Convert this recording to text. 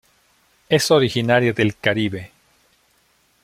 Es originaria del Caribe.